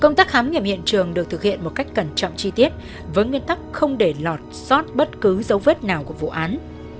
công tác khám nghiệm hiện trường được thực hiện một cách cẩn trọng chi tiết với nguyên tắc không để lọt sót bất cứ dấu vết nào của vụ án